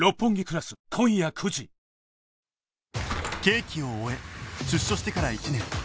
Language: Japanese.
刑期を終え出所してから１年